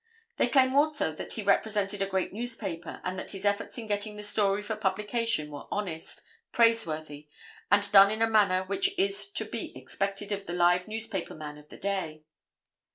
They claim also that he represented a great newspaper and that his efforts in getting the story for publication were honest, praiseworthy, and done in a manner which is to be expected of the live newspaper man of the day.